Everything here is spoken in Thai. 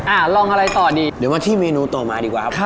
ลองอะไรต่อดีเดี๋ยวมาที่เมนูต่อมาดีกว่าครับ